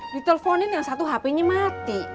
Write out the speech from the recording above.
diteleponin yang satu hpnya mati